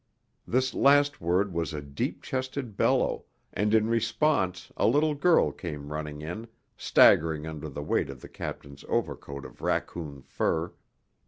This last word was a deep chested bellow, and in response a little girl came running in, staggering under the weight of the captain's overcoat of raccoon fur.